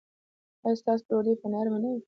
ایا ستاسو ډوډۍ به نرمه نه وي؟